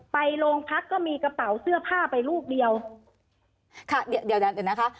ไปโรงพักก็มีกระเป๋าเสื้อผ้าไปลูกเดียวค่ะเดี๋ยวเดี๋ยวนะคะ